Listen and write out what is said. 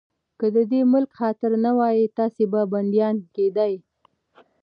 که د دې ملک خاطر نه وای، تاسې به بنديان کېدئ.